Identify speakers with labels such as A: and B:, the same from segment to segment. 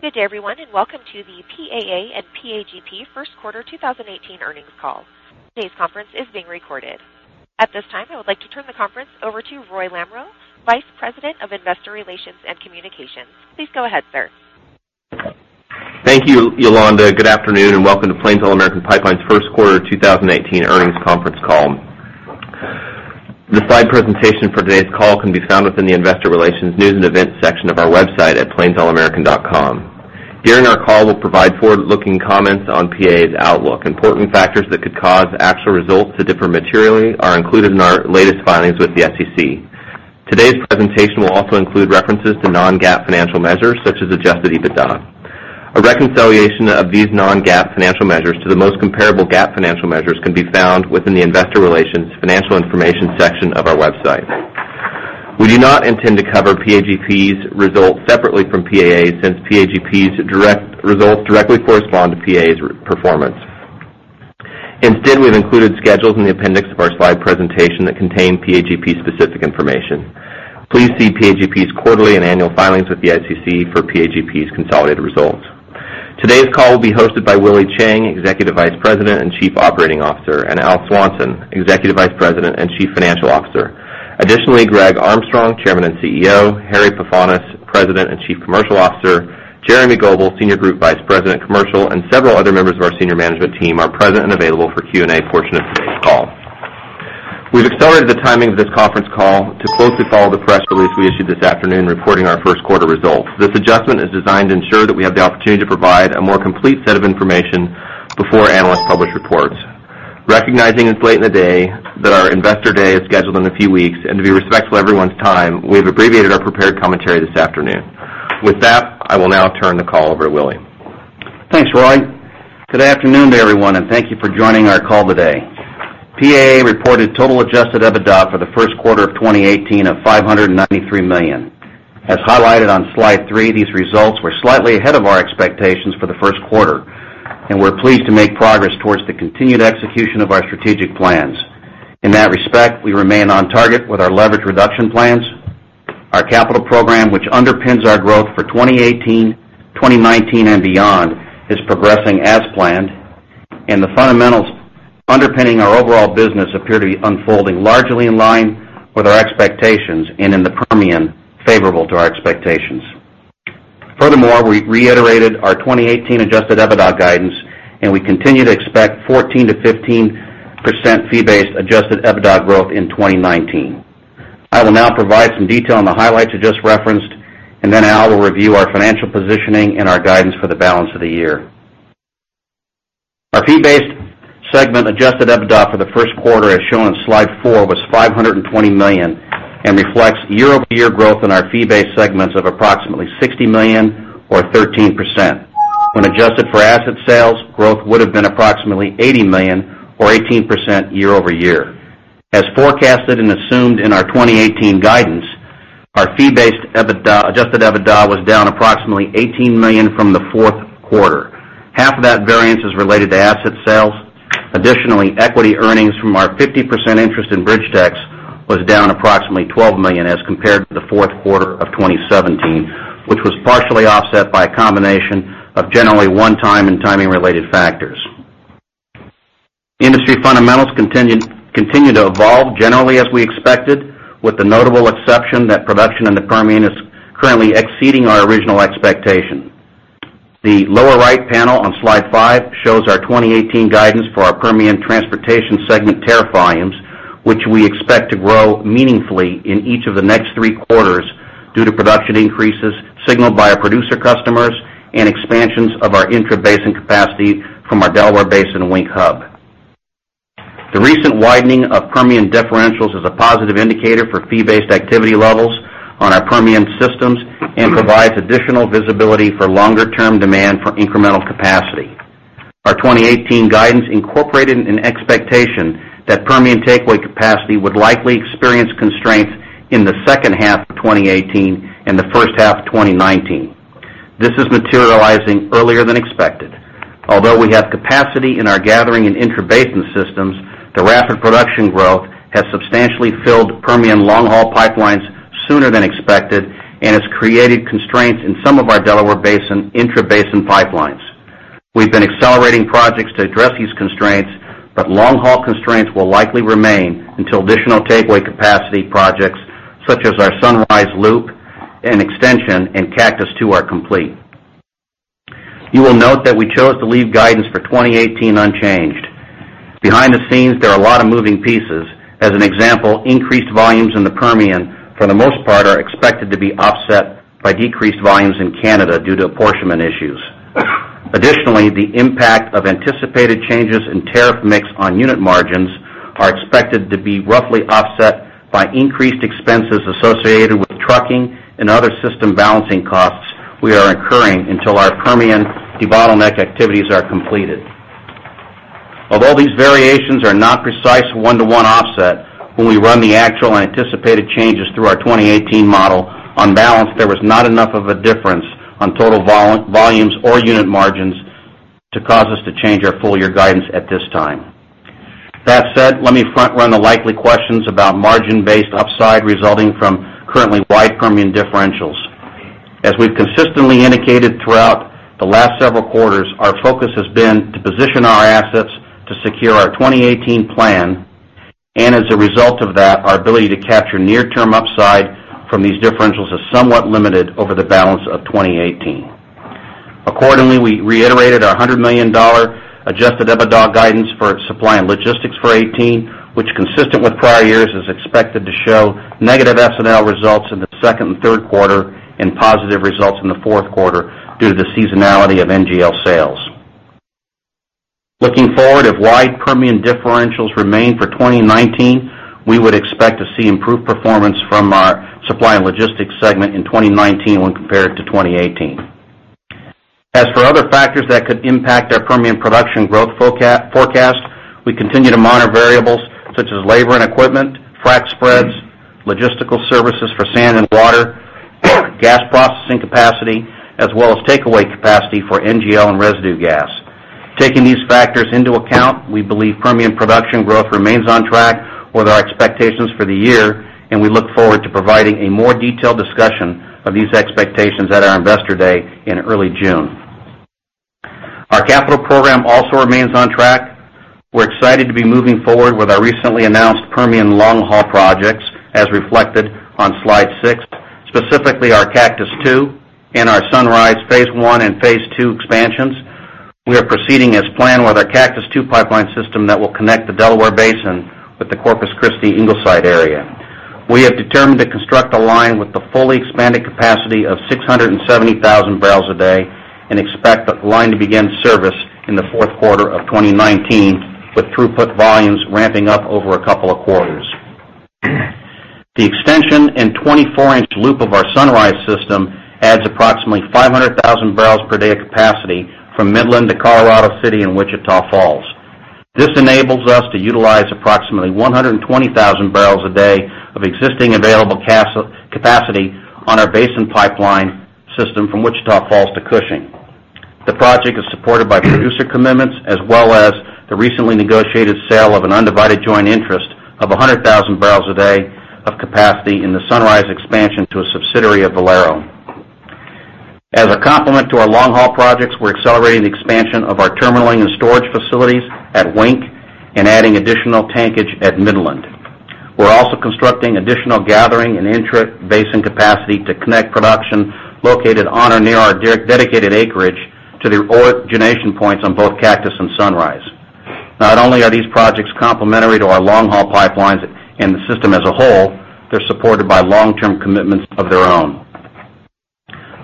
A: Good day everyone, welcome to the PAA and PAGP first quarter 2018 earnings call. Today's conference is being recorded. At this time, I would like to turn the conference over to Roy Lamoreaux, Vice President of Investor Relations and Communications. Please go ahead, sir.
B: Thank you, Yolanda. Good afternoon, welcome to Plains All American Pipeline's first quarter 2018 earnings conference call. The slide presentation for today's call can be found within the investor relations, news and events section of our website at plainsallamerican.com. During our call, we'll provide forward-looking comments on PAA's outlook. Important factors that could cause actual results to differ materially are included in our latest filings with the SEC. Today's presentation will also include references to non-GAAP financial measures such as adjusted EBITDA. A reconciliation of these non-GAAP financial measures to the most comparable GAAP financial measures can be found within the investor relations financial information section of our website. We do not intend to cover PAGP's results separately from PAA, since PAGP's results directly correspond to PAA's performance. Instead, we've included schedules in the appendix of our slide presentation that contain PAGP-specific information. Please see PAGP's quarterly and annual filings with the SEC for PAGP's consolidated results. Today's call will be hosted by Willie Chiang, Executive Vice President and Chief Operating Officer, Al Swanson, Executive Vice President and Chief Financial Officer. Additionally, Greg Armstrong, Chairman and CEO, Harry Pefanis, President and Chief Commercial Officer, Jeremy Goebel, Senior Group Vice President, Commercial, several other members of our senior management team are present and available for Q&A portion of today's call. We've accelerated the timing of this conference call to closely follow the press release we issued this afternoon reporting our first quarter results. This adjustment is designed to ensure that we have the opportunity to provide a more complete set of information before analysts publish reports. Recognizing it's late in the day, that our investor day is scheduled in a few weeks, to be respectful of everyone's time, we've abbreviated our prepared commentary this afternoon. With that, I will now turn the call over to Willie.
C: Thanks, Roy. Good afternoon to everyone. Thank you for joining our call today. PAA reported total adjusted EBITDA for the first quarter of 2018 of $593 million. As highlighted on slide three, these results were slightly ahead of our expectations for the first quarter, and we're pleased to make progress towards the continued execution of our strategic plans. In that respect, we remain on target with our leverage reduction plans. Our capital program, which underpins our growth for 2018, 2019 and beyond, is progressing as planned, and the fundamentals underpinning our overall business appear to be unfolding largely in line with our expectations and in the Permian, favorable to our expectations. Furthermore, we reiterated our 2018 adjusted EBITDA guidance, and we continue to expect 14%-15% fee-based adjusted EBITDA growth in 2019. I will now provide some detail on the highlights I just referenced, and then Al will review our financial positioning and our guidance for the balance of the year. Our fee-based segment adjusted EBITDA for the first quarter, as shown on slide four, was $520 million and reflects year-over-year growth in our fee-based segments of approximately $60 million or 13%. When adjusted for asset sales, growth would've been approximately $80 million or 18% year-over-year. As forecasted and assumed in our 2018 guidance, our fee-based adjusted EBITDA was down approximately $18 million from the fourth quarter. Half of that variance is related to asset sales. Additionally, equity earnings from our 50% interest in BridgeTex was down approximately $12 million as compared to the fourth quarter of 2017, which was partially offset by a combination of generally one-time and timing-related factors. Industry fundamentals continue to evolve generally as we expected, with the notable exception that production in the Permian is currently exceeding our original expectation. The lower right panel on slide five shows our 2018 guidance for our Permian Transportation segment tariff volumes, which we expect to grow meaningfully in each of the next three quarters due to production increases signaled by our producer customers and expansions of our intrabasin capacity from our Delaware Basin Wink Hub. The recent widening of Permian differentials is a positive indicator for fee-based activity levels on our Permian systems and provides additional visibility for longer-term demand for incremental capacity. Our 2018 guidance incorporated an expectation that Permian takeaway capacity would likely experience constraints in the second half of 2018 and the first half of 2019. This is materializing earlier than expected. Although we have capacity in our gathering and intrabasin systems, the rapid production growth has substantially filled Permian long-haul pipelines sooner than expected and has created constraints in some of our Delaware Basin intrabasin pipelines. We've been accelerating projects to address these constraints, but long-haul constraints will likely remain until additional takeaway capacity projects such as our Sunrise Loop and Extension and Cactus II are complete. You will note that we chose to leave guidance for 2018 unchanged. Behind the scenes, there are a lot of moving pieces. As an example, increased volumes in the Permian, for the most part, are expected to be offset by decreased volumes in Canada due to apportionment issues. Additionally, the impact of anticipated changes in tariff mix on unit margins are expected to be roughly offset by increased expenses associated with trucking and other system balancing costs we are incurring until our Permian debottleneck activities are completed. Although these variations are not precise one-to-one offset, when we run the actual anticipated changes through our 2018 model, on balance, there was not enough of a difference on total volumes or unit margins to cause us to change our full-year guidance at this time. That said, let me front-run the likely questions about margin-based upside resulting from currently wide premium differentials. As we've consistently indicated throughout the last several quarters, our focus has been to position our assets to secure our 2018 plan. As a result of that, our ability to capture near-term upside from these differentials is somewhat limited over the balance of 2018. Accordingly, we reiterated our $100 million adjusted EBITDA guidance for supply and logistics for 2018, which, consistent with prior years, is expected to show negative S&L results in the second and third quarter and positive results in the fourth quarter due to the seasonality of NGL sales. Looking forward, if wide premium differentials remain for 2019, we would expect to see improved performance from our supply and logistics segment in 2019 when compared to 2018. As for other factors that could impact our premium production growth forecast, we continue to monitor variables such as labor and equipment, frack spreads, logistical services for sand and water, gas processing capacity, as well as takeaway capacity for NGL and residue gas. Taking these factors into account, we believe premium production growth remains on track with our expectations for the year, and we look forward to providing a more detailed discussion of these expectations at our investor day in early June. Our capital program also remains on track. We're excited to be moving forward with our recently announced Permian long-haul projects, as reflected on slide six, specifically our Cactus II Pipeline and our Sunrise Phase One and Phase Two expansions. We are proceeding as planned with our Cactus II Pipeline system that will connect the Delaware Basin with the Corpus Christi Ingleside area. We have determined to construct a line with the fully expanded capacity of 670,000 barrels a day and expect the line to begin service in the fourth quarter of 2019, with throughput volumes ramping up over a couple of quarters. The extension and 24-inch loop of our Sunrise system adds approximately 500,000 barrels per day capacity from Midland to Colorado City and Wichita Falls. This enables us to utilize approximately 120,000 barrels a day of existing available capacity on our Basin Pipeline System from Wichita Falls to Cushing. The project is supported by producer commitments as well as the recently negotiated sale of an undivided joint interest of 100,000 barrels a day of capacity in the Sunrise expansion to a subsidiary of Valero. As a complement to our long-haul projects, we're accelerating the expansion of our terminaling and storage facilities at Wink and adding additional tankage at Midland. We're also constructing additional gathering and intrabasin capacity to connect production located on or near our dedicated acreage to the origination points on both Cactus and Sunrise. Not only are these projects complementary to our long-haul pipelines and the system as a whole, they're supported by long-term commitments of their own.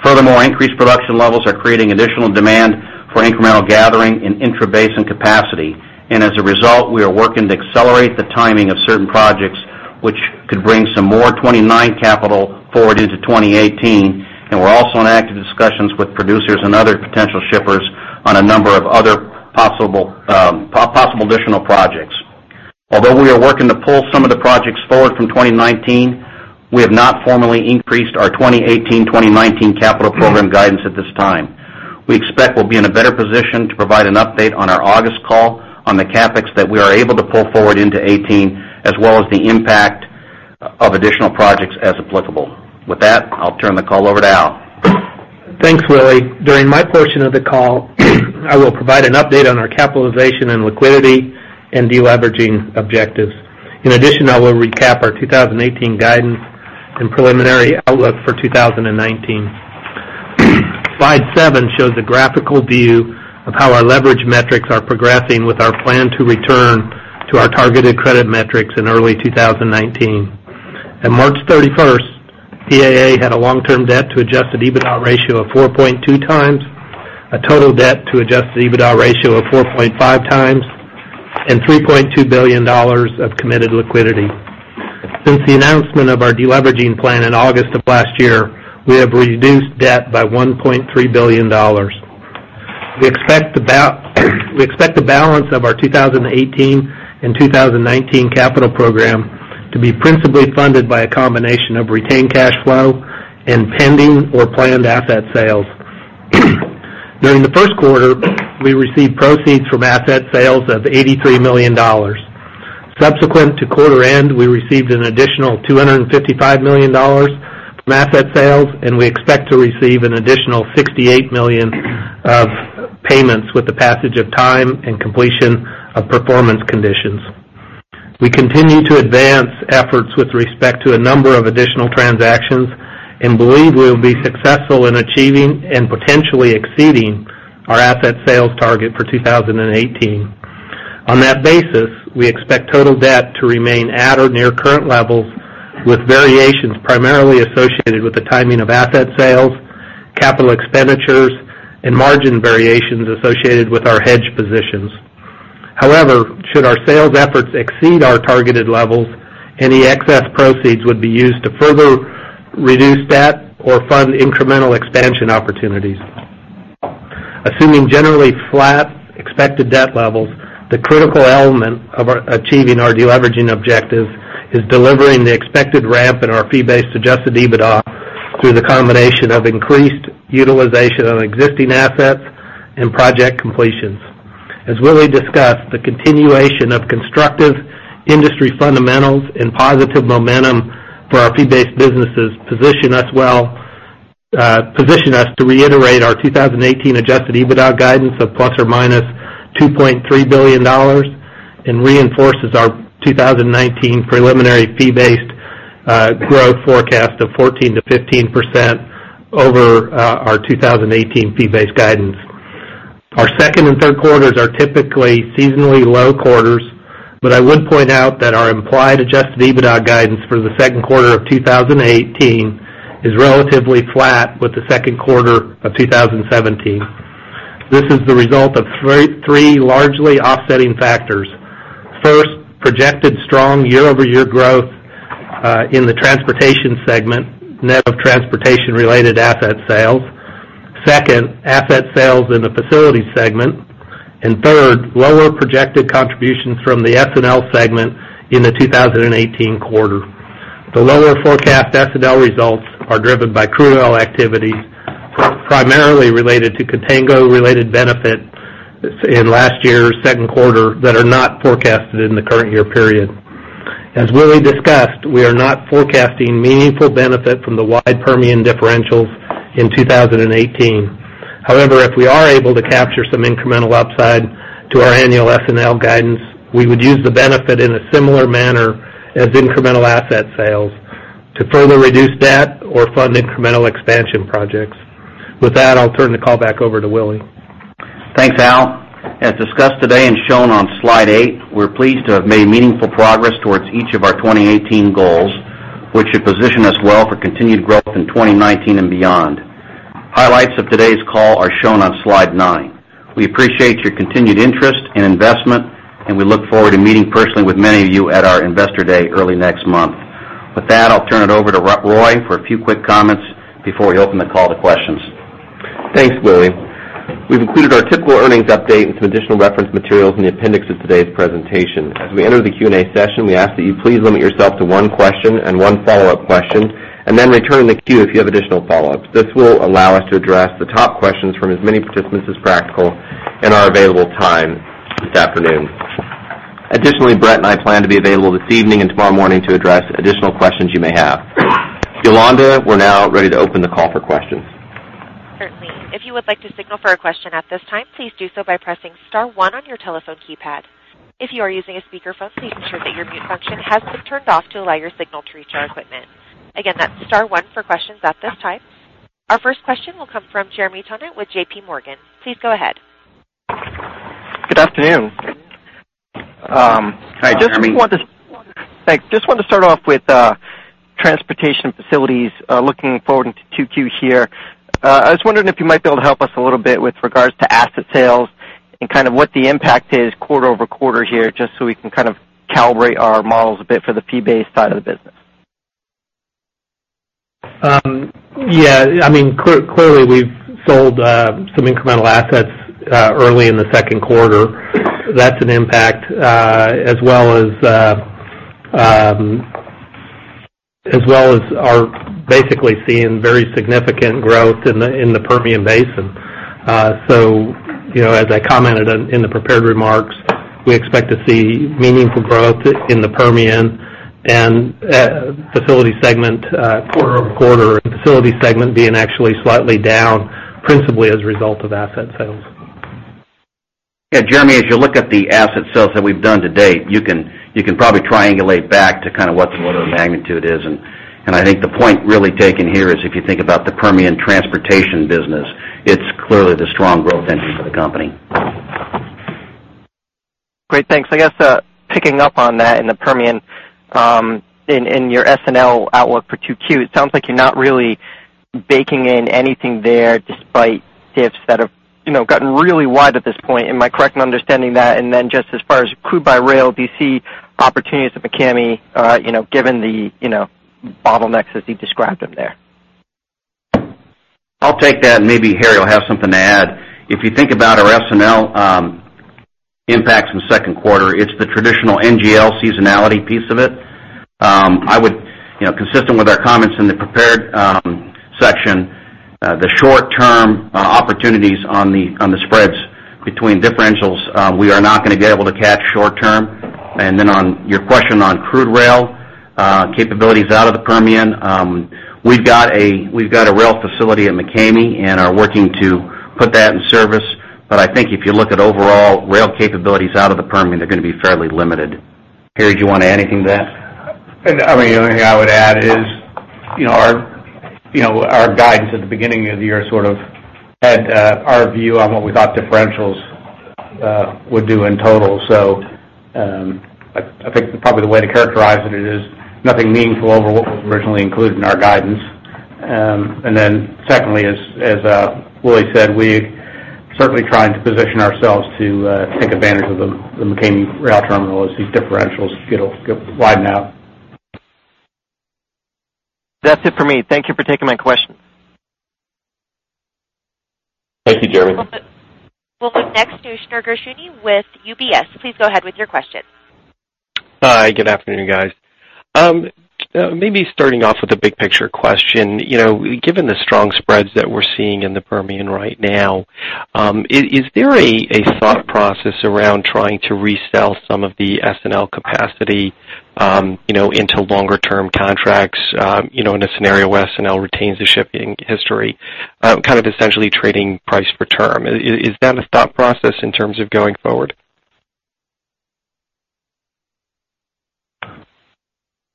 C: Furthermore, increased production levels are creating additional demand for incremental gathering and intrabasin capacity. As a result, we are working to accelerate the timing of certain projects, which could bring some more 2019 capital forward into 2018. We're also in active discussions with producers and other potential shippers on a number of other possible additional projects. Although we are working to pull some of the projects forward from 2019, we have not formally increased our 2018-2019 capital program guidance at this time. We expect we'll be in a better position to provide an update on our August call on the CapEx that we are able to pull forward into 2018, as well as the impact of additional projects as applicable. With that, I'll turn the call over to Al.
D: Thanks, Willie. During my portion of the call, I will provide an update on our capitalization and liquidity and de-leveraging objectives. In addition, I will recap our 2018 guidance and preliminary outlook for 2019. Slide seven shows a graphical view of how our leverage metrics are progressing with our plan to return to our targeted credit metrics in early 2019. At March 31st, PAA had a long-term debt to adjusted EBITDA ratio of 4.2 times, a total debt to adjusted EBITDA ratio of 4.5 times, and $3.2 billion of committed liquidity. Since the announcement of our de-leveraging plan in August of last year, we have reduced debt by $1.3 billion. We expect the balance of our 2018 and 2019 capital program to be principally funded by a combination of retained cash flow and pending or planned asset sales. During the first quarter, we received proceeds from asset sales of $83 million. Subsequent to quarter end, we received an additional $255 million from asset sales. We expect to receive an additional $68 million of payments with the passage of time and completion of performance conditions. We continue to advance efforts with respect to a number of additional transactions and believe we will be successful in achieving and potentially exceeding our asset sales target for 2018. On that basis, we expect total debt to remain at or near current levels with variations primarily associated with the timing of asset sales, capital expenditures, and margin variations associated with our hedge positions. However, should our sales efforts exceed our targeted levels, any excess proceeds would be used to further reduce debt or fund incremental expansion opportunities. Assuming generally flat expected debt levels, the critical element of achieving our de-leveraging objectives is delivering the expected ramp in our fee-based adjusted EBITDA through the combination of increased utilization of existing assets and project completions. As Willie discussed, the continuation of constructive industry fundamentals and positive momentum for our fee-based businesses position us to reiterate our 2018 adjusted EBITDA guidance of ±$2.3 billion and reinforces our 2019 preliminary fee-based growth forecast of 14%-15% over our 2018 fee-based guidance. Our second and third quarters are typically seasonally low quarters, but I would point out that our implied adjusted EBITDA guidance for the second quarter of 2018 is relatively flat with the second quarter of 2017. This is the result of three largely offsetting factors. First, projected strong year-over-year growth in the transportation segment, net of transportation-related asset sales. Second, asset sales in the facilities segment. Third, lower projected contributions from the S&L segment in the 2018 quarter. The lower forecast S&L results are driven by crude oil activity, primarily related to contango-related benefit in last year's second quarter that are not forecasted in the current year period. As Willie discussed, we are not forecasting meaningful benefit from the wide Permian differentials in 2018. However, if we are able to capture some incremental upside to our annual S&L guidance, we would use the benefit in a similar manner as incremental asset sales to further reduce debt or fund incremental expansion projects. With that, I'll turn the call back over to Willie.
C: Thanks, Al. As discussed today and shown on slide eight, we're pleased to have made meaningful progress towards each of our 2018 goals, which should position us well for continued growth in 2019 and beyond. Highlights of today's call are shown on slide nine. We appreciate your continued interest and investment, and we look forward to meeting personally with many of you at our investor day early next month. With that, I'll turn it over to Roy for a few quick comments before we open the call to questions.
B: Thanks, Willie. We've included our typical earnings update and some additional reference materials in the appendix of today's presentation. As we enter the Q&A session, we ask that you please limit yourself to one question and one follow-up question, and then return in the queue if you have additional follow-ups. This will allow us to address the top questions from as many participants as practical in our available time this afternoon. Additionally, Brett and I plan to be available this evening and tomorrow morning to address additional questions you may have. Yolanda, we're now ready to open the call for questions.
A: Certainly. If you would like to signal for a question at this time, please do so by pressing *1 on your telephone keypad. If you are using a speakerphone, please ensure that your mute function has been turned off to allow your signal to reach our equipment. Again, that's *1 for questions at this time. Our first question will come from Jeremy Tonet with J.P. Morgan. Please go ahead.
E: Good afternoon.
C: Hi, Jeremy.
E: Thanks. Just wanted to start off with transportation facilities looking forward into 2Q here. I was wondering if you might be able to help us a little bit with regards to asset sales and what the impact is quarter-over-quarter here, just so we can calibrate our models a bit for the fee-based side of the business.
D: Clearly, we've sold some incremental assets early in the second quarter. That's an impact as well as are basically seeing very significant growth in the Permian Basin. As I commented on in the prepared remarks, we expect to see meaningful growth in the Permian and facility segment quarter-over-quarter, and facility segment being actually slightly down principally as a result of asset sales.
C: Jeremy, as you look at the asset sales that we've done to date, you can probably triangulate back to what the magnitude is. I think the point really taken here is if you think about the Permian transportation business, it's clearly the strong growth engine for the company.
E: Great. Thanks. I guess picking up on that in the Permian, in your S&L outlook for 2Q, it sounds like you're not really baking in anything there despite diffs that have gotten really wide at this point. Am I correct in understanding that? Then just as far as crude by rail, do you see opportunities at McCamey given the bottlenecks as you described them there?
C: I'll take that, maybe Harry will have something to add. If you think about our S&L impacts in the second quarter, it's the traditional NGL seasonality piece of it. Consistent with our comments in the prepared section, the short-term opportunities on the spreads between differentials, we are not going to be able to catch short term. Then on your question on crude rail capabilities out of the Permian, we've got a rail facility at McCamey and are working to put that in service. I think if you look at overall rail capabilities out of the Permian, they're going to be fairly limited. Harry, do you want to add anything to that?
F: The only thing I would add is our guidance at the beginning of the year sort of had our view on what we thought differentials would do in total. I think probably the way to characterize it is nothing meaningful over what was originally included in our guidance. Secondly, as Willie said, we certainly trying to position ourselves to take advantage of the McCamey rail terminal as these differentials widen out.
E: That's it for me. Thank you for taking my questions.
C: Thank you, Jeremy.
A: We'll move next to Shneur Gershuni with UBS. Please go ahead with your question.
G: Hi, good afternoon, guys. Maybe starting off with a big picture question. Given the strong spreads that we're seeing in the Permian right now, is there a thought process around trying to resell some of the S&L capacity into longer term contracts, in a scenario where S&L retains the shipping history, kind of essentially trading price for term? Is that a thought process in terms of going forward?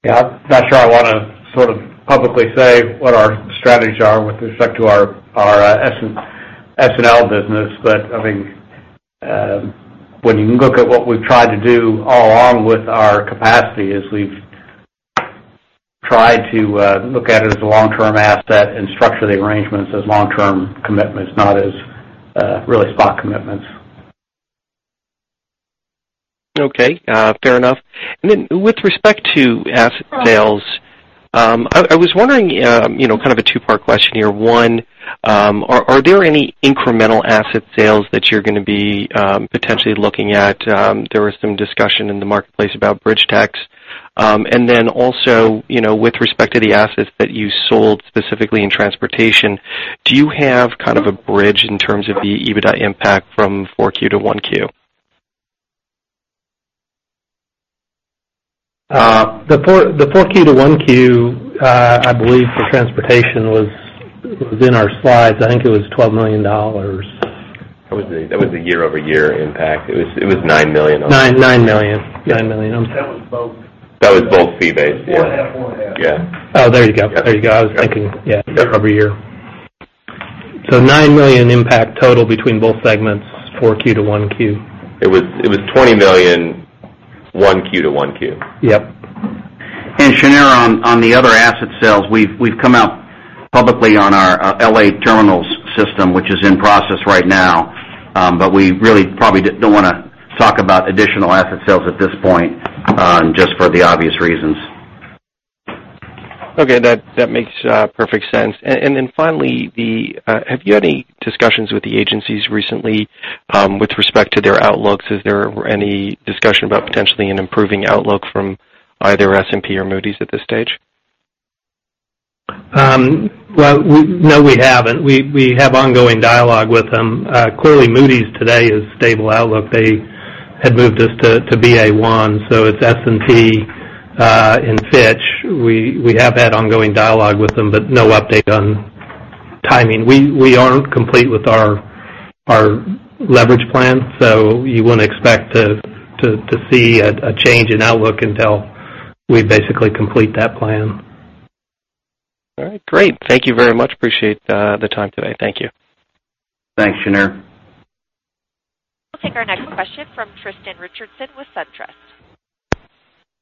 C: Yeah. I'm not sure I want to publicly say what our strategies are with respect to our S&L business. I think, when you can look at what we've tried to do all along with our capacity is we've tried to look at it as a long-term asset and structure the arrangements as long-term commitments, not as really spot commitments.
G: Okay. Fair enough. With respect to asset sales, I was wondering, kind of a two-part question here. One, are there any incremental asset sales that you're going to be potentially looking at? There was some discussion in the marketplace about BridgeTex. With respect to the assets that you sold specifically in transportation, do you have kind of a bridge in terms of the EBITDA impact from four Q to one Q?
D: The four Q to one Q, I believe the transportation was in our slides. I think it was $12 million.
C: That was the year-over-year impact. It was $9 million.
D: $9 million.
C: That was both fee-based. Yeah.
D: Oh, there you go. I was thinking, yeah, year-over-year. $9 million impact total between both segments, four Q to one Q.
C: It was $20 million, Q1 to Q1.
D: Yep.
C: Shneur, on the other asset sales, we've come out publicly on our L.A. Terminals system, which is in process right now. We really probably don't want to talk about additional asset sales at this point, just for the obvious reasons.
G: Okay. That makes perfect sense. Finally, have you had any discussions with the agencies recently with respect to their outlooks? Is there any discussion about potentially an improving outlook from either S&P or Moody's at this stage?
D: No, we haven't. We have ongoing dialogue with them. Clearly, Moody's today is stable outlook. They had moved us to Ba1. It's S&P and Fitch. We have had ongoing dialogue with them, but no update on timing. We aren't complete with our leverage plan. You wouldn't expect to see a change in outlook until we basically complete that plan.
G: All right, great. Thank you very much. Appreciate the time today. Thank you.
C: Thanks, Shneur.
A: We'll take our next question from Tristan Richardson with SunTrust.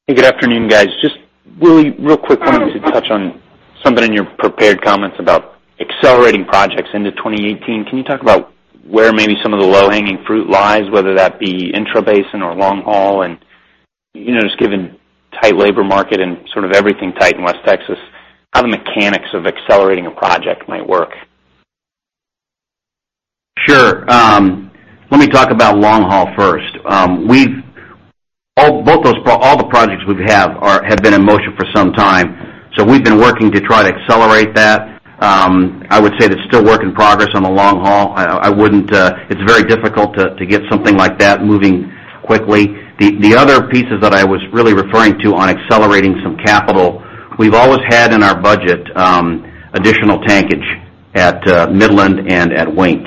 H: Hey, good afternoon, guys. Just really real quick, wanted to touch on something in your prepared comments about accelerating projects into 2018. Can you talk about where maybe some of the low-hanging fruit lies, whether that be intrabasin or long haul, and just given tight labor market and sort of everything tight in West Texas, how the mechanics of accelerating a project might work?
C: Let me talk about long haul first. All the projects we have had been in motion for some time, so we've been working to try to accelerate that. I would say that's still work in progress on the long haul. It's very difficult to get something like that moving quickly. The other pieces that I was really referring to on accelerating some capital, we've always had in our budget additional tankage at Midland and at Wink.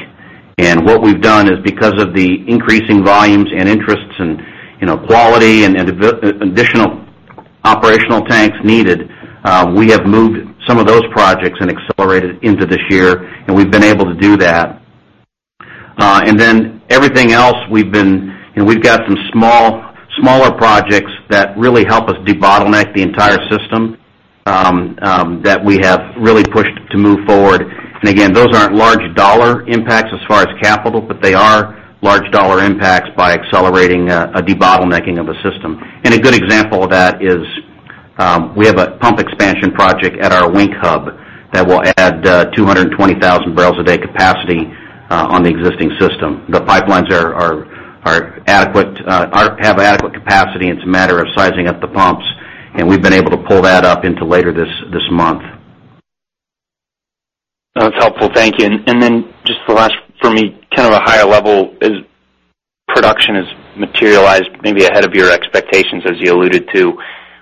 C: What we've done is because of the increasing volumes and interests and quality and additional operational tanks needed, we have moved some of those projects and accelerated into this year, and we've been able to do that. Everything else we've got some smaller projects that really help us debottleneck the entire system, that we have really pushed to move forward. Again, those aren't large dollar impacts as far as capital, but they are large dollar impacts by accelerating a debottlenecking of a system. A good example of that is, we have a pump expansion project at our Wink hub that will add 220,000 barrels a day capacity on the existing system. The pipelines have adequate capacity, and it's a matter of sizing up the pumps, and we've been able to pull that up into later this month.
H: That's helpful. Thank you. Just the last for me, kind of a higher level. As production has materialized maybe ahead of your expectations, as you alluded to.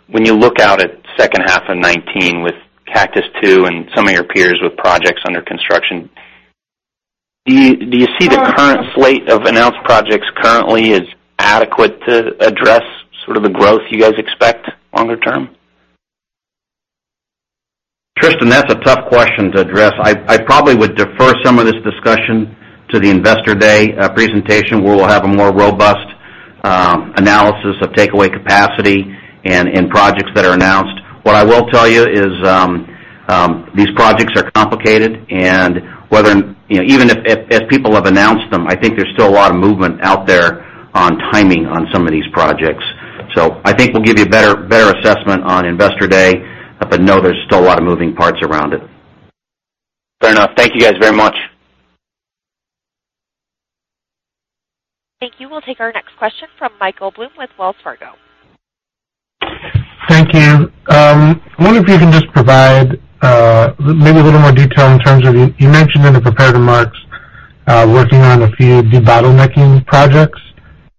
H: When you look out at second half of 2019 with Cactus II and some of your peers with projects under construction, do you see the current slate of announced projects currently as adequate to address sort of the growth you guys expect longer term?
C: Tristan, that's a tough question to address. I probably would defer some of this discussion to the Investor Day presentation, where we'll have a more robust analysis of takeaway capacity and projects that are announced. What I will tell you is, these projects are complicated, and as people have announced them, I think there's still a lot of movement out there on timing on some of these projects. I think we'll give you a better assessment on Investor Day. No, there's still a lot of moving parts around it.
H: Fair enough. Thank you guys very much.
A: Thank you. We'll take our next question from Michael Blum with Wells Fargo.
I: Thank you. I wonder if you can just provide maybe a little more detail in terms of, you mentioned in the prepared remarks, working on a few debottlenecking projects.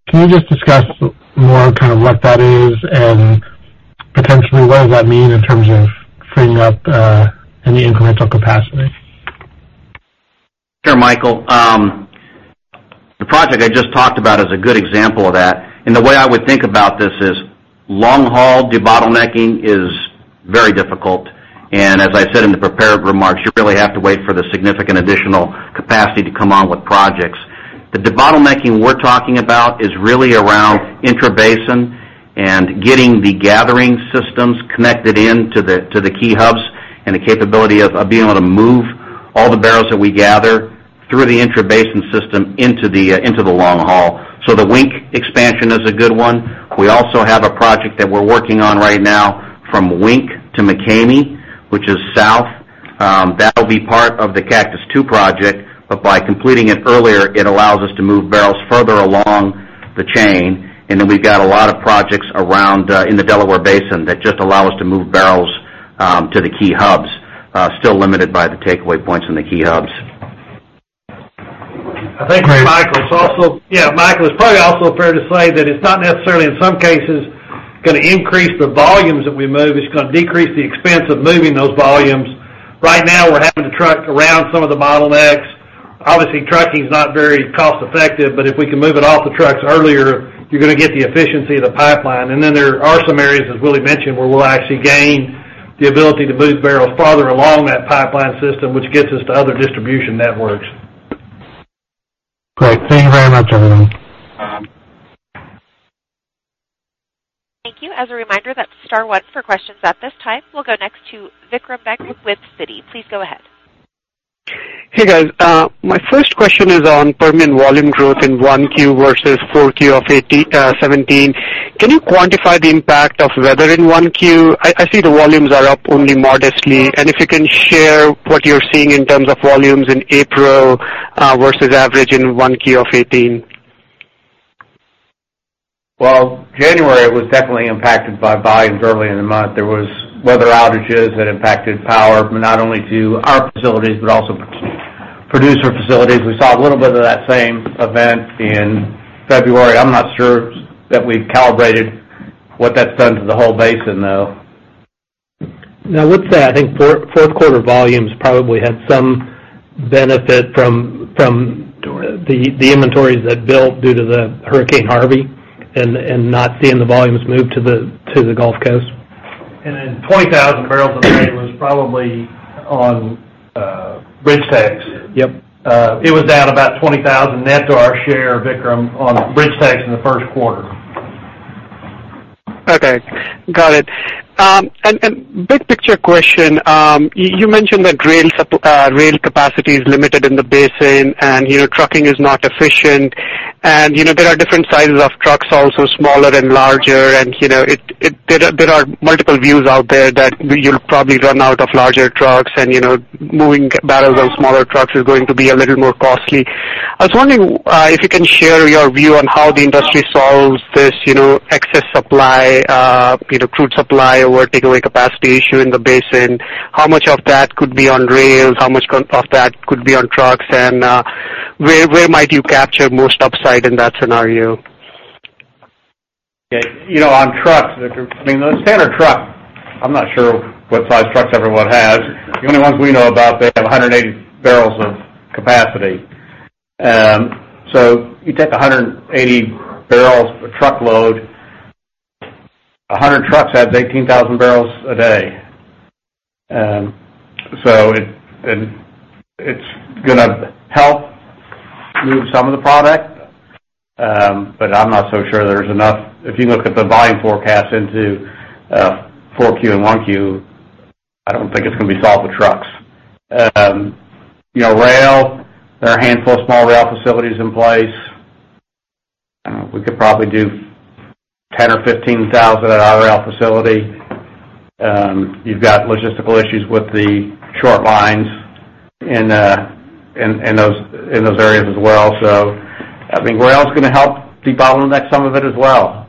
I: Can you just discuss more kind of what that is, and potentially what does that mean in terms of freeing up any incremental capacity?
C: Sure, Michael. The project I just talked about is a good example of that, and the way I would think about this is long-haul debottlenecking is very difficult. As I said in the prepared remarks, you really have to wait for the significant additional capacity to come on with projects. The debottlenecking we're talking about is really around intrabasin and getting the gathering systems connected into the key hubs, and the capability of being able to move all the barrels that we gather through the intrabasin system into the long haul. The Wink expansion is a good one. We also have a project that we're working on right now from Wink to McCamey, which is south. That'll be part of the Cactus II project. By completing it earlier, it allows us to move barrels further along the chain. We've got a lot of projects around in the Delaware Basin that just allow us to move barrels to the key hubs, still limited by the takeaway points in the key hubs.
F: I think, Michael, it's probably also fair to say that it's not necessarily, in some cases, going to increase the volumes that we move. It's going to decrease the expense of moving those volumes. Right now, we're having to truck around some of the bottlenecks. Obviously, trucking is not very cost-effective. If we can move it off the trucks earlier, you're going to get the efficiency of the pipeline. There are some areas, as Willie mentioned, where we'll actually gain the ability to move barrels farther along that pipeline system, which gets us to other distribution networks.
I: Great. Thank you very much, everyone.
A: Thank you. As a reminder, that's star one for questions at this time. We'll go next to Vikram Bagri with Citi. Please go ahead.
J: Hey, guys. My first question is on Permian volume growth in 1Q versus 4Q of 2017. Can you quantify the impact of weather in 1Q? I see the volumes are up only modestly. If you can share what you're seeing in terms of volumes in April versus average in 1Q of 2018.
F: Well, January was definitely impacted by volume early in the month. There was weather outages that impacted power, not only to our facilities but also producer facilities. We saw a little bit of that same event in February. I'm not sure that we've calibrated what that's done to the whole basin, though.
D: I would say, I think fourth quarter volumes probably had some benefit from the inventories that built due to the Hurricane Harvey and not seeing the volumes move to the Gulf Coast.
F: 20,000 barrels a day was probably on BridgeTex.
D: Yep.
F: It was down about 20,000 net to our share, Vikram, on BridgeTex in the first quarter.
J: Okay. Got it. Big picture question. You mentioned that rail capacity is limited in the basin and trucking is not efficient. There are different sizes of trucks also, smaller and larger. There are multiple views out there that you'll probably run out of larger trucks and moving barrels on smaller trucks is going to be a little more costly. I was wondering if you can share your view on how the industry solves this excess supply, crude supply or takeaway capacity issue in the basin. How much of that could be on rails? How much of that could be on trucks? Where might you capture most upside in that scenario?
F: On trucks, Vikram, the standard truck, I'm not sure what size trucks everyone has. The only ones we know about, they have 180 barrels of capacity. You take 180 barrels a truckload, 100 trucks, that's 18,000 barrels a day. It's going to help move some of the product, but I'm not so sure there's enough. If you look at the volume forecast into 4Q and 1Q, I don't think it's going to be solved with trucks. Rail, there are a handful of small rail facilities in place. We could probably do 10,000 or 15,000 at our rail facility. You've got logistical issues with the short lines in those areas as well. I think rail's going to help debottleneck some of it as well.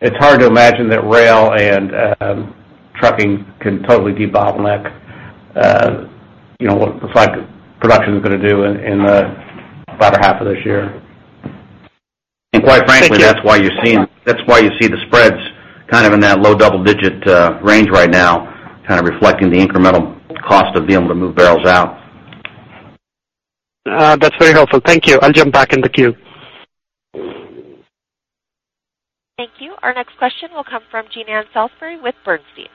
F: It's hard to imagine that rail and trucking can totally debottleneck what the site production is going to do in the latter half of this year.
J: Thank you.
C: Quite frankly, that's why you see the spreads kind of in that low double-digit range right now, kind of reflecting the incremental cost of being able to move barrels out.
J: That's very helpful. Thank you. I'll jump back in the queue.
A: Thank you. Our next question will come from Jean Ann Salisbury with Bernstein.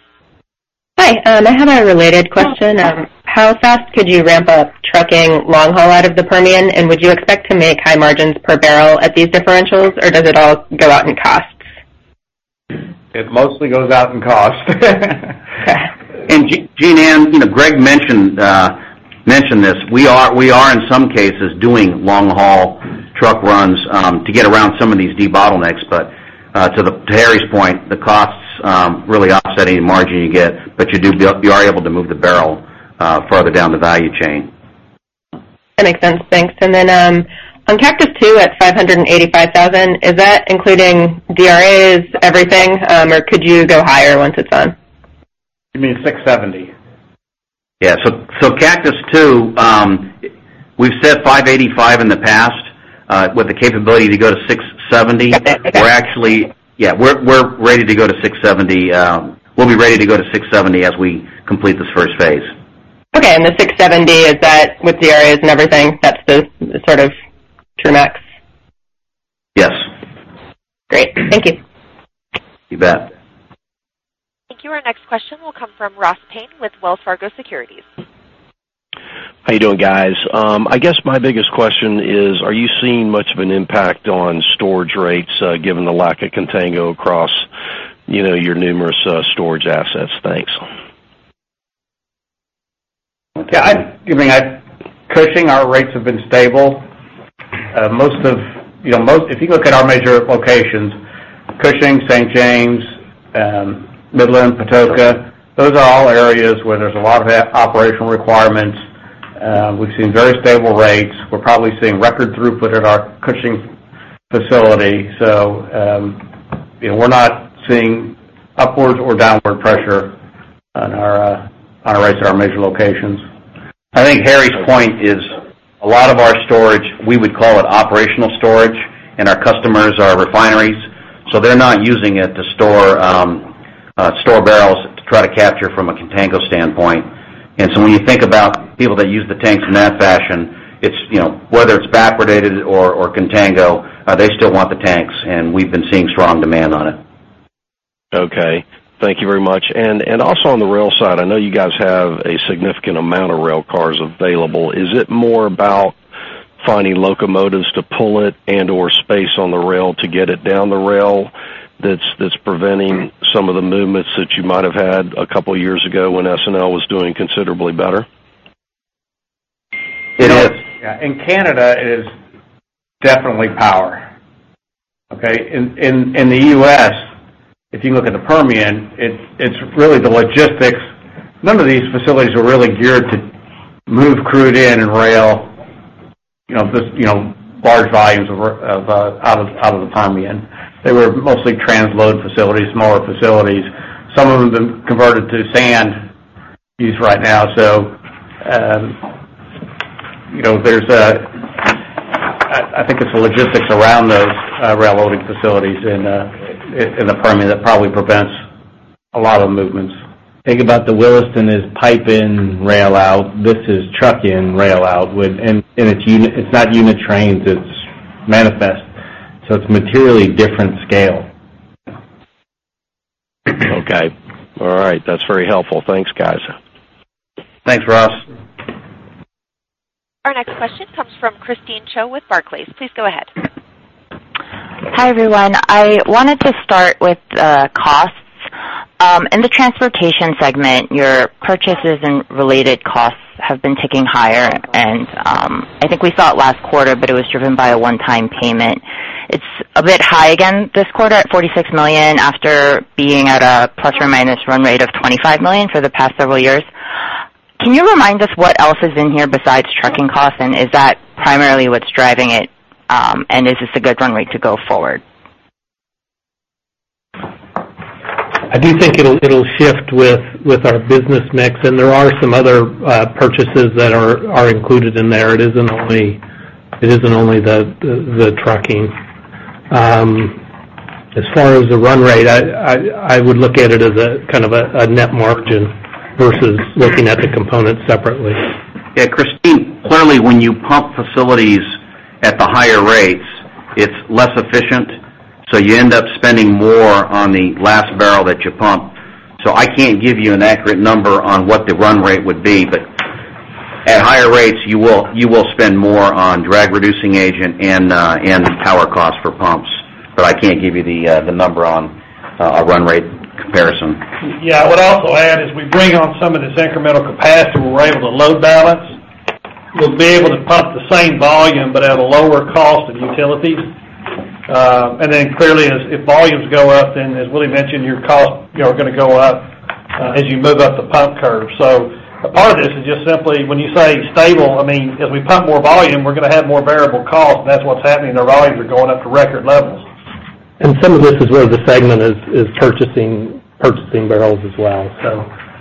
K: Hi. I have a related question. How fast could you ramp up trucking long haul out of the Permian, would you expect to make high margins per barrel at these differentials, or does it all go out in costs?
F: It mostly goes out in cost.
C: Jean Ann, Greg mentioned this. We are in some cases doing long-haul truck runs to get around some of these debottlenecks. To Harry's point, the costs really offset any margin you get, you are able to move the barrel further down the value chain.
K: That makes sense. Thanks. Then on Cactus II at 585,000, is that including DRAs, everything, or could you go higher once it's done?
F: You mean 670.
C: Yeah. Cactus II, we've said 585 in the past, with the capability to go to 670.
K: Okay.
C: We're ready to go to 670. We'll be ready to go to 670 as we complete this first phase.
K: Okay. The 670, is that with DRAs and everything, that's the sort of true max?
C: Yes.
K: Great. Thank you.
C: You bet.
A: Thank you. Our next question will come from Ross Payne with Wells Fargo Securities.
L: How you doing, guys? I guess my biggest question is, are you seeing much of an impact on storage rates, given the lack of contango across your numerous storage assets? Thanks.
F: Yeah. Cushing, our rates have been stable. If you look at our major locations, Cushing, St. James, Midland, Patoka, those are all areas where there's a lot of operational requirements. We've seen very stable rates. We're probably seeing record throughput at our Cushing facility. We're not seeing upwards or downward pressure on our rates at our major locations.
C: I think Harry's point is a lot of our storage, we would call it operational storage, and our customers are refineries. They're not using it to store barrels to try to capture from a contango standpoint. When you think about people that use the tanks in that fashion, whether it's backwardated or contango, they still want the tanks, and we've been seeing strong demand on it.
L: Okay. Thank you very much. Also on the rail side, I know you guys have a significant amount of rail cars available. Is it more about finding locomotives to pull it and/or space on the rail to get it down the rail that's preventing some of the movements that you might have had a couple of years ago when S&L was doing considerably better?
C: It is.
F: Yeah. In Canada, it is definitely power. In the U.S., if you look at the Permian, it's really the logistics. None of these facilities are really geared to move crude in and rail large volumes out of the Permian. They were mostly transload facilities, smaller facilities. Some of them converted to sand use right now. I think it's the logistics around those rail loading facilities in the Permian that probably prevents a lot of movements. Think about the Williston is pipe in, rail out. This is truck in, rail out. It's not unit trains, it's manifest. It's materially different scale.
L: Okay. All right. That's very helpful. Thanks, guys.
F: Thanks, Ross.
A: Our next question comes from Christine Cho with Barclays. Please go ahead.
M: Hi, everyone. I wanted to start with the costs. In the transportation segment, your purchases and related costs have been ticking higher. I think we saw it last quarter, but it was driven by a one-time payment. It is a bit high again this quarter at $46 million after being at a ± run rate of $25 million for the past several years. Can you remind us what else is in here besides trucking costs, and is that primarily what is driving it? Is this a good run rate to go forward?
D: I do think it will shift with our business mix, and there are some other purchases that are included in there. It is not only the trucking. As far as the run rate, I would look at it as a kind of a net margin versus looking at the components separately.
C: Yeah, Christine, clearly, when you pump facilities at the higher rates, it is less efficient, so you end up spending more on the last barrel that you pump. I cannot give you an accurate number on what the run rate would be, but at higher rates, you will spend more on drag-reducing agent and power costs for pumps, but I cannot give you the number on a run rate comparison.
F: Yeah. I would also add, as we bring on some of this incremental capacity, we are able to load balance. We will be able to pump the same volume but at a lower cost of utilities. Clearly, if volumes go up, then as Willie mentioned, your costs are going to go up as you move up the pump curve. A part of this is just simply when you say stable, as we pump more volume, we are going to have more variable costs, and that is what is happening. The volumes are going up to record levels.
D: Some of this is where the segment is purchasing barrels as well.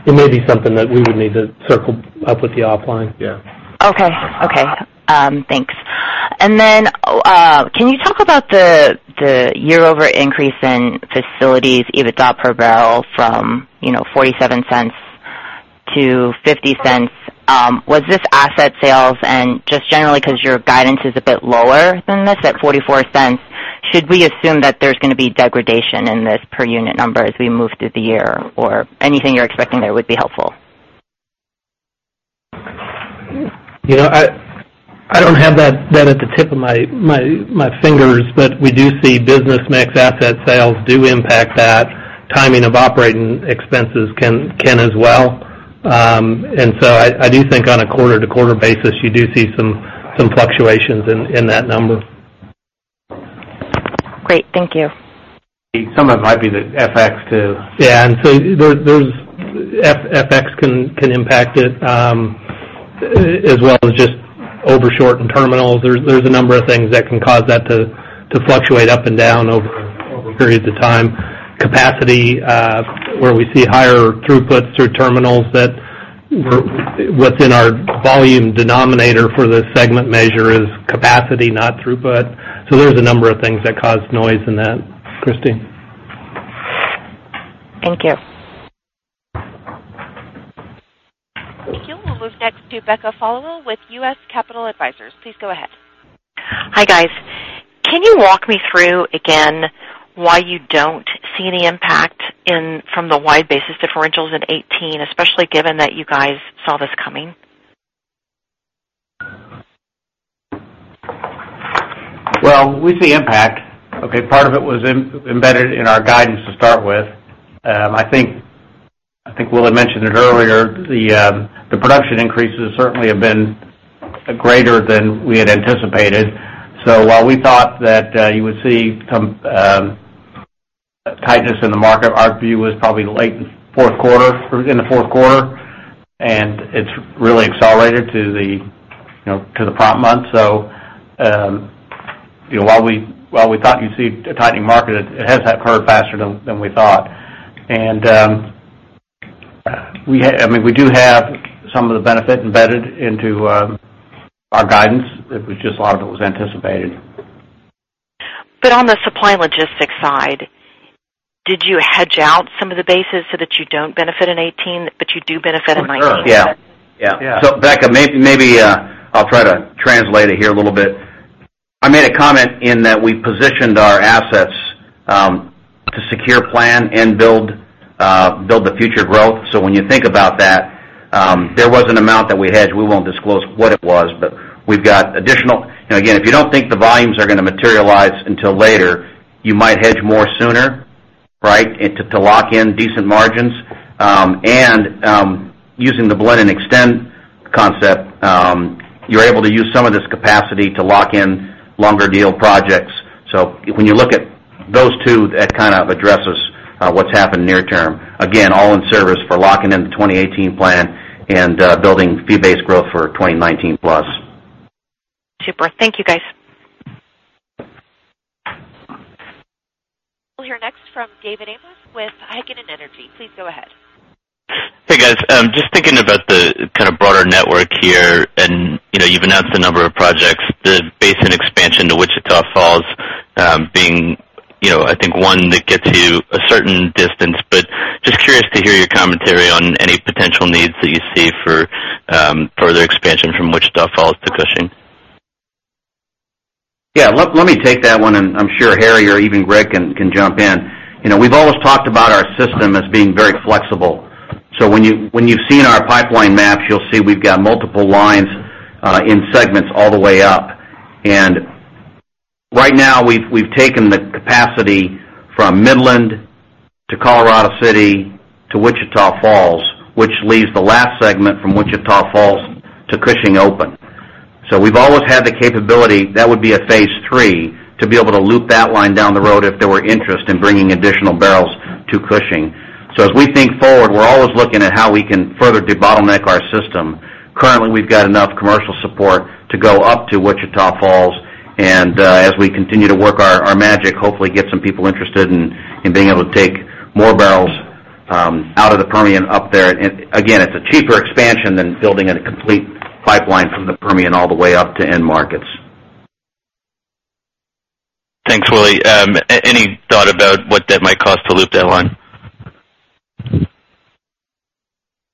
D: It may be something that we would need to circle up with you offline.
F: Yeah.
M: Okay. Thanks. Can you talk about the year-over-year increase in facilities EBITDA per barrel from $0.47 to $0.50? Was this asset sales? Just generally because your guidance is a bit lower than this at $0.44, should we assume that there's going to be degradation in this per unit number as we move through the year or anything you're expecting there would be helpful.
D: I don't have that at the tip of my fingers, but we do see business mix asset sales do impact that. Timing of operating expenses can as well. I do think on a quarter-over-quarter basis, you do see some fluctuations in that number.
M: Great. Thank you.
C: Some of it might be the FX, too.
F: Yeah, FX can impact it, as well as just overshortened terminals. There's a number of things that can cause that to fluctuate up and down over periods of time. Capacity, where we see higher throughputs through terminals that within our volume denominator for this segment measure is capacity, not throughput. There's a number of things that cause noise in that. Christine.
M: Thank you.
A: Thank you. We'll move next to Becca Followill with U.S. Capital Advisors. Please go ahead.
N: Hi, guys. Can you walk me through again why you don't see any impact from the wide basis differentials in 2018, especially given that you guys saw this coming?
C: Well, we see impact. Okay? Part of it was embedded in our guidance to start with. I think Will had mentioned it earlier, the production increases certainly have been greater than we had anticipated. While we thought that you would see some tightness in the market, our view was probably late fourth quarter, in the fourth quarter, and it's really accelerated to the prompt month. While we thought you'd see a tightening market, it has occurred faster than we thought. We do have some of the benefit embedded into our guidance. It was just a lot of it was anticipated.
N: On the supply logistics side, did you hedge out some of the basis so that you don't benefit in 2018, but you do benefit in 2019?
F: Yeah. Yeah.
C: Becca, maybe I'll try to translate it here a little bit. I made a comment in that we positioned our assets to secure plan and build the future growth. When you think about that, there was an amount that we hedged. We won't disclose what it was, but we've got again, if you don't think the volumes are going to materialize until later, you might hedge more sooner, right, to lock in decent margins. Using the blend and extend concept, you're able to use some of this capacity to lock in longer deal projects. When you look at those two, that kind of addresses what's happened near term. Again, all in service for locking in the 2018 plan and building fee-based growth for 2019 plus.
N: Super. Thank you, guys.
A: We'll hear next from David Amos with Heikkinen Energy. Please go ahead.
O: Hey, guys. Just thinking about the kind of broader network here, you've announced a number of projects, the basin expansion to Wichita Falls being, I think, one that gets you a certain distance, just curious to hear your commentary on any potential needs that you see for further expansion from Wichita Falls to Cushing.
C: Yeah. Let me take that one, I'm sure Harry or even Greg can jump in. We've always talked about our system as being very flexible. When you've seen our pipeline maps, you'll see we've got multiple lines in segments all the way up. Right now, we've taken the capacity from Midland to Colorado City to Wichita Falls, which leaves the last segment from Wichita Falls to Cushing open. We've always had the capability, that would be a phase three, to be able to loop that line down the road if there were interest in bringing additional barrels to Cushing. As we think forward, we're always looking at how we can further debottleneck our system. Currently, we've got enough commercial support to go up to Wichita Falls. As we continue to work our magic, hopefully get some people interested in being able to take more barrels out of the Permian up there. Again, it's a cheaper expansion than building a complete pipeline from the Permian all the way up to end markets.
O: Thanks, Willie. Any thought about what that might cost to loop that line?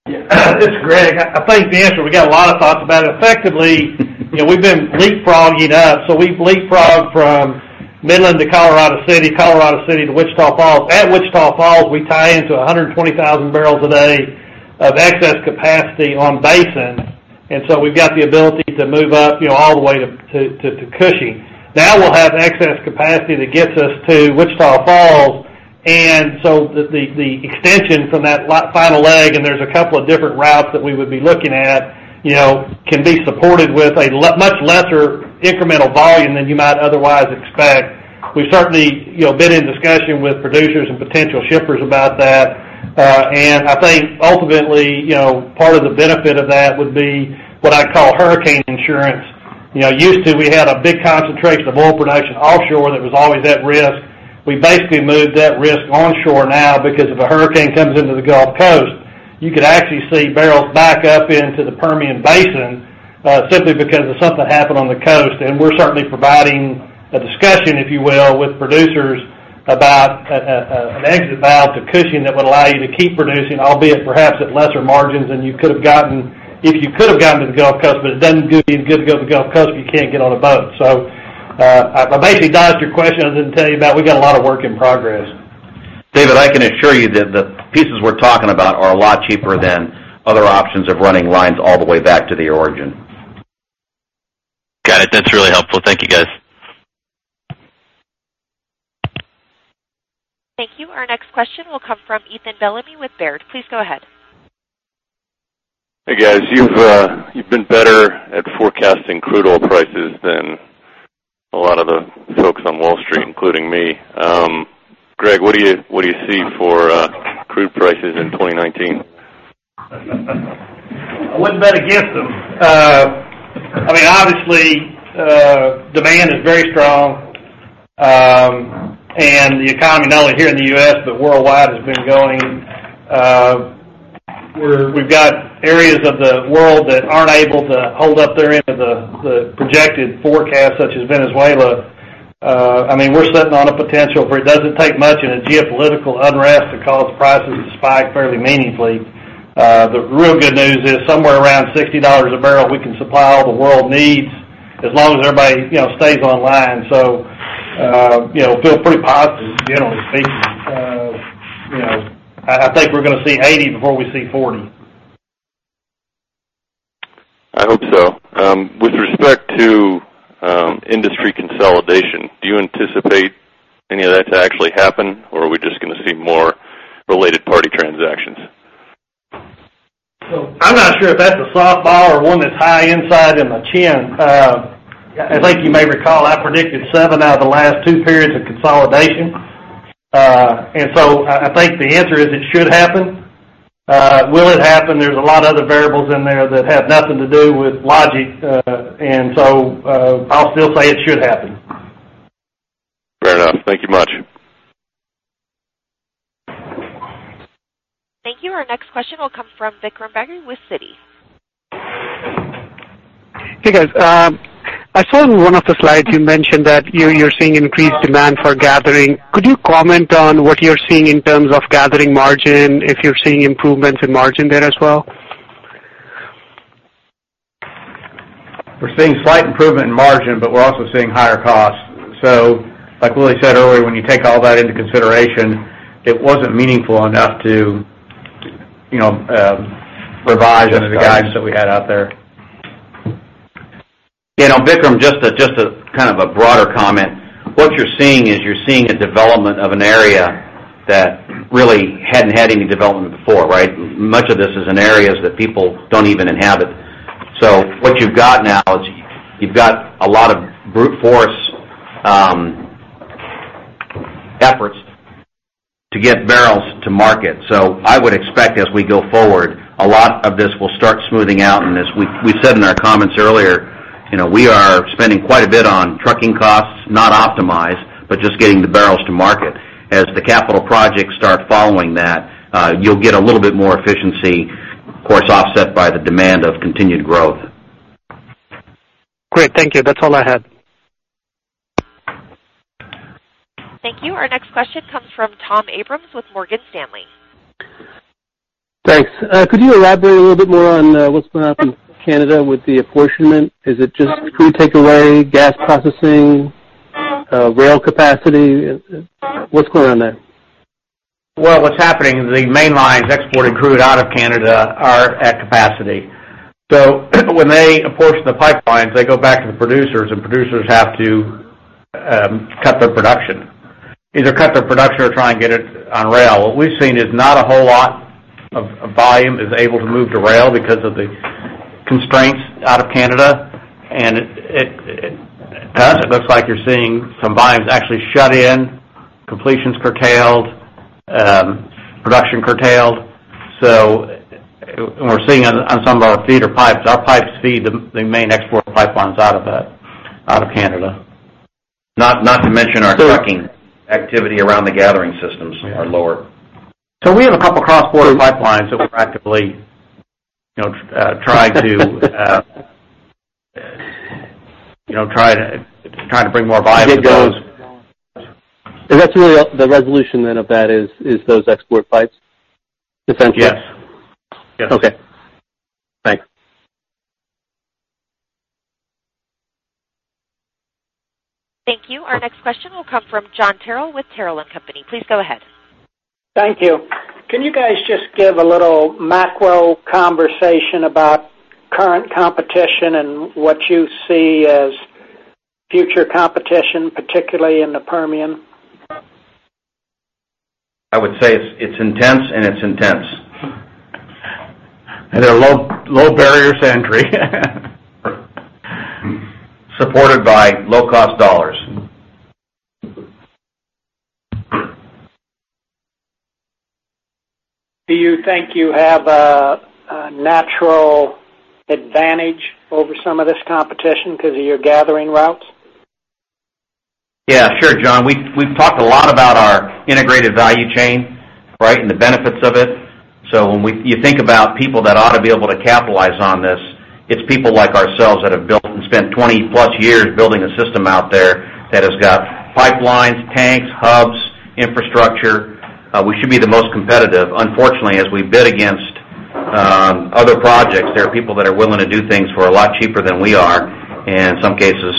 F: It's Greg. I think the answer, we got a lot of thoughts about it. Effectively, we've been leapfrogging up. We've leapfrogged from Midland to Colorado City, Colorado City to Wichita Falls. At Wichita Falls, we tie into 120,000 barrels a day of excess capacity on Basin, we've got the ability to move up all the way up to Cushing. Now we'll have excess capacity that gets us to Wichita Falls, the extension from that final leg, and there's a couple of different routes that we would be looking at, can be supported with a much lesser incremental volume than you might otherwise expect. We've certainly been in discussion with producers and potential shippers about that. I think ultimately, part of the benefit of that would be what I call hurricane insurance. Used to, we had a big concentration of oil production offshore that was always at risk. We basically moved that risk onshore now because if a hurricane comes into the Gulf Coast, you could actually see barrels back up into the Permian Basin, simply because if something happened on the coast, we're certainly providing a discussion, if you will, with producers about an exit valve to Cushing that would allow you to keep producing, albeit perhaps at lesser margins than you could have gotten if you could have gotten to the Gulf Coast, it doesn't do you any good to go to the Gulf Coast if you can't get on a boat. I basically dodged your question other than tell you about we got a lot of work in progress.
C: David, I can assure you that the pieces we're talking about are a lot cheaper than other options of running lines all the way back to the origin.
O: Got it. That's really helpful. Thank you, guys.
A: Thank you. Our next question will come from Ethan Bellamy with Baird. Please go ahead.
P: Hey, guys. You've been better at forecasting crude oil prices than a lot of the folks on Wall Street, including me. Greg, what do you see for crude prices in 2019?
F: I wouldn't bet against them. Obviously, demand is very strong. The economy not only here in the U.S., but worldwide, has been going. We've got areas of the world that aren't able to hold up their end of the projected forecast, such as Venezuela. We're sitting on a potential where it doesn't take much in a geopolitical unrest to cause prices to spike fairly meaningfully. The real good news is somewhere around $60 a barrel, we can supply all the world needs as long as everybody stays online. Feel pretty positive, generally speaking. I think we're going to see 80 before we see 40.
P: I hope so. With respect to industry consolidation, do you anticipate any of that to actually happen, or are we just going to see more related party transactions?
F: I'm not sure if that's a softball or one that's high inside in my chin. I think you may recall, I predicted seven out of the last two periods of consolidation. I think the answer is it should happen. Will it happen? There's a lot of other variables in there that have nothing to do with logic. I'll still say it should happen.
P: Fair enough. Thank you much.
A: Thank you. Our next question will come from Vikram Veeraraghavan with Citi.
J: Hey, guys. I saw in one of the slides you mentioned that you're seeing increased demand for gathering. Could you comment on what you're seeing in terms of gathering margin, if you're seeing improvements in margin there as well?
F: We're seeing slight improvement in margin, we're also seeing higher costs. Like Willie said earlier, when you take all that into consideration, it wasn't meaningful enough to revise any of the guidance that we had out there.
C: Vikram, just a kind of a broader comment. What you're seeing is you're seeing a development of an area that really hadn't had any development before, right? Much of this is in areas that people don't even inhabit. What you've got now is you've got a lot of brute force efforts to get barrels to market. I would expect as we go forward, a lot of this will start smoothing out. As we said in our comments earlier, we are spending quite a bit on trucking costs, not optimized, just getting the barrels to market. As the capital projects start following that, you'll get a little bit more efficiency, of course, offset by the demand of continued growth.
J: Great. Thank you. That's all I had.
A: Thank you. Our next question comes from Tom Abrams with Morgan Stanley.
Q: Thanks. Could you elaborate a little bit more on what's been happening in Canada with the apportionment? Is it just crude takeaway, gas processing, rail capacity? What's going on there?
F: Well, what's happening is the main lines exporting crude out of Canada are at capacity. When they apportion the pipelines, they go back to the producers have to cut their production. Either cut their production or try and get it on rail. What we've seen is not a whole lot of volume is able to move to rail because of the constraints out of Canada, and it looks like you're seeing some volumes actually shut in, completions curtailed, production curtailed. We're seeing on some of our feeder pipes, our pipes feed the main export pipelines out of Canada.
C: Not to mention our trucking activity around the gathering systems are lower.
F: We have a couple cross-border pipelines that we're actively trying to bring more volume to those.
Q: Is that really the resolution then of that is those export pipes, essentially?
F: Yes.
Q: Okay. Thanks.
A: Thank you. Our next question will come from John Terril with Terril & Company. Please go ahead.
R: Thank you. Can you guys just give a little macro conversation about current competition and what you see as future competition, particularly in the Permian?
C: I would say it's intense, and it's intense.
F: There are low barriers to entry.
C: Supported by low-cost dollars.
R: Do you think you have a natural advantage over some of this competition because of your gathering routes?
C: Yeah, sure, John. We've talked a lot about our integrated value chain, right? The benefits of it. When you think about people that ought to be able to capitalize on this, it's people like ourselves that have built and spent 20-plus years building a system out there that has got pipelines, tanks, hubs, infrastructure. We should be the most competitive. Unfortunately, as we bid against other projects, there are people that are willing to do things for a lot cheaper than we are, and in some cases,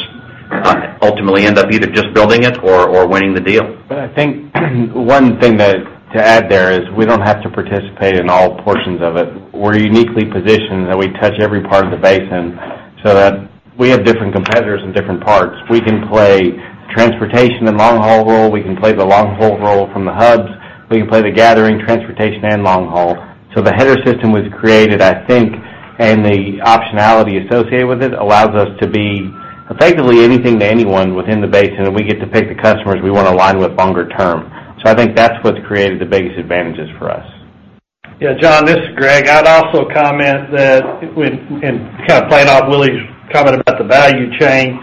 C: ultimately end up either just building it or winning the deal.
S: I think one thing to add there is we don't have to participate in all portions of it. We're uniquely positioned that we touch every part of the basin, so that we have different competitors in different parts. We can play transportation and long haul role. We can play the long haul role from the hubs. We can play the gathering, transportation, and long haul. The header system was created, I think, and the optionality associated with it allows us to be effectively anything to anyone within the basin, and we get to pick the customers we want to align with longer term. I think that's what's created the biggest advantages for us.
F: Yeah, John, this is Greg. I'd also comment that, playing off Willie's comment about the value chain.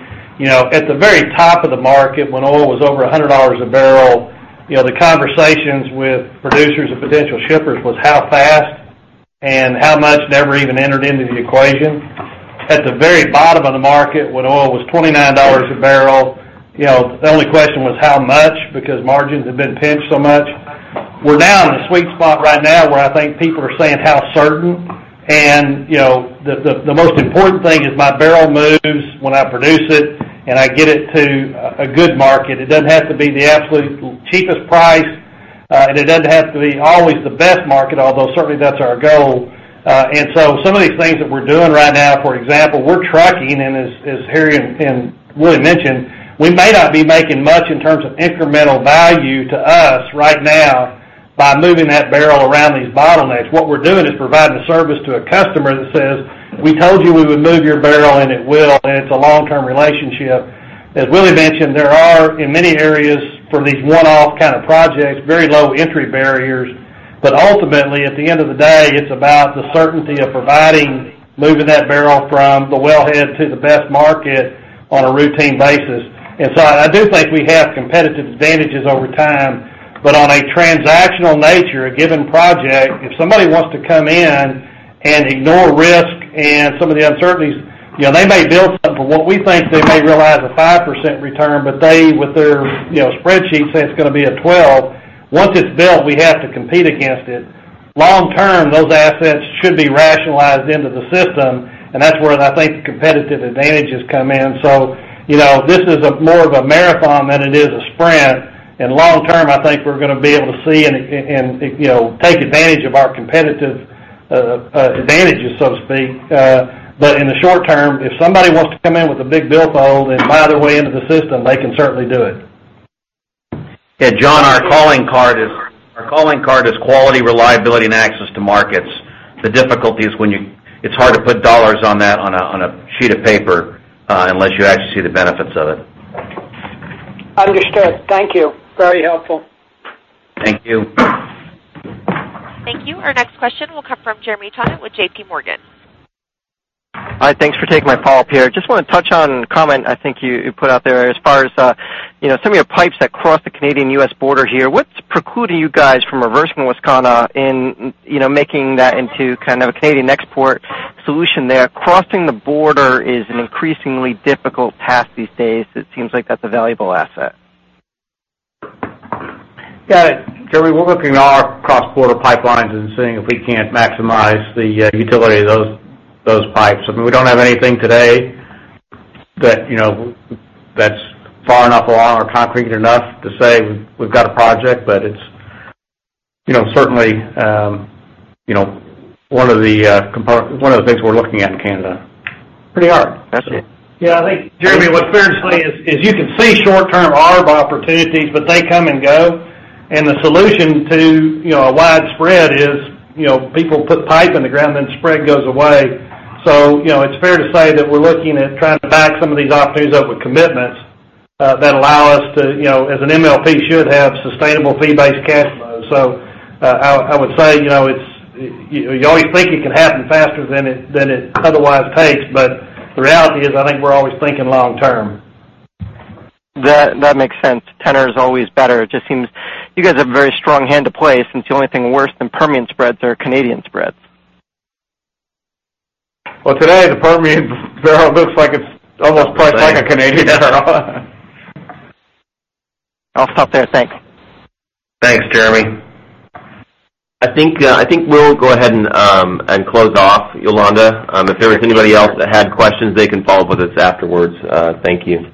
F: At the very top of the market, when oil was over $100 a barrel, the conversations with producers and potential shippers was how fast and how much never even entered into the equation. At the very bottom of the market, when oil was $29 a barrel, the only question was how much, because margins had been pinched so much. We're now in the sweet spot right now where I think people are saying how certain. The most important thing is my barrel moves when I produce it and I get it to a good market. It doesn't have to be the absolute cheapest price, and it doesn't have to be always the best market, although certainly that's our goal. Some of these things that we're doing right now, for example, we're trucking, and as Harry and Willie mentioned, we may not be making much in terms of incremental value to us right now by moving that barrel around these bottlenecks. What we're doing is providing a service to a customer that says, "We told you we would move your barrel, and it will." It's a long-term relationship. As Willie mentioned, there are, in many areas for these one-off kind of projects, very low entry barriers. Ultimately, at the end of the day, it's about the certainty of providing, moving that barrel from the wellhead to the best market on a routine basis. I do think we have competitive advantages over time. On a transactional nature, a given project, if somebody wants to come in and ignore risk and some of the uncertainties, they may build something for what we think they may realize a 5% return, but they, with their spreadsheet, say it's going to be a 12%. Once it's built, we have to compete against it. Long term, those assets should be rationalized into the system, and that's where I think the competitive advantages come in. This is more of a marathon than it is a sprint. In long term, I think we're going to be able to see and take advantage of our competitive advantages, so to speak. In the short term, if somebody wants to come in with a big billfold and buy their way into the system, they can certainly do it.
C: Yeah, John, our calling card is quality, reliability, and access to markets. The difficulty is when it's hard to put dollars on that on a sheet of paper, unless you actually see the benefits of it.
R: Understood. Thank you. Very helpful.
C: Thank you.
A: Thank you. Our next question will come from Jeremy Tonet with JPMorgan.
E: Hi. Thanks for taking my call, [here]. I just want to touch on a comment I think you put out there as far as some of your pipes that cross the Canadian-U.S. border here. What's precluding you guys from reversing Wascana and making that into a Canadian export solution there? Crossing the border is an increasingly difficult path these days. It seems like that's a valuable asset.
C: Yeah. Jeremy, we're looking at all our cross-border pipelines and seeing if we can't maximize the utility of those pipes. I mean, we don't have anything today that's far enough along or concrete enough to say we've got a project, but it's certainly one of the things we're looking at in Canada pretty hard.
E: Got you.
F: Yeah, I think, Jeremy, what's fair to say is you can see short-term arb opportunities, but they come and go. The solution to a wide spread is people put pipe in the ground, then spread goes away. It's fair to say that we're looking at trying to back some of these opportunities up with commitments that allow us to, as an MLP, should have sustainable fee-based cash flows. I would say you always think it can happen faster than it otherwise takes. The reality is, I think we're always thinking long term.
E: That makes sense. Tenor's always better. It just seems you guys have a very strong hand to play since the only thing worse than Permian spreads are Canadian spreads.
C: Well, today, the Permian barrel looks like it's almost priced like a Canadian barrel.
E: I'll stop there. Thanks.
C: Thanks, Jeremy. I think we'll go ahead and close off, Yolanda. If there was anybody else that had questions, they can follow up with us afterwards. Thank you.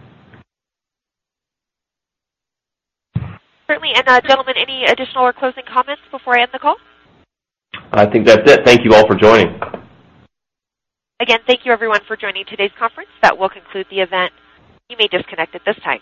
A: Certainly. Gentlemen, any additional or closing comments before I end the call?
C: I think that's it. Thank you all for joining.
A: Again, thank you everyone for joining today's conference. That will conclude the event. You may disconnect at this time.